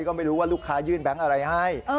ก็ไม่รู้ว่าลูกค้ายื่นแบงค์อะไรให้